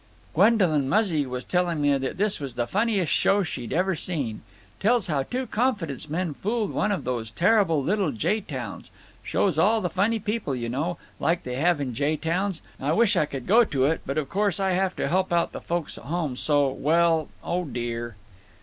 "Gwendolyn Muzzy was telling me that this was the funniest show she'd ever seen. Tells how two confidence men fooled one of those terrible little jay towns. Shows all the funny people, you know, like they have in jay towns…. I wish I could go to it, but of course I have to help out the folks at home, so— Well…. Oh dear."